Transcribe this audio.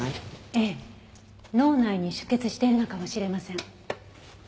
ええ脳内に出血しているのかもしれません。